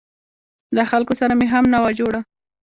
له خلکو سره مې هم نه وه جوړه.